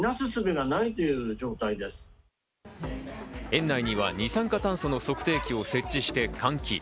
園内には二酸化炭素の測定器を設置して換気。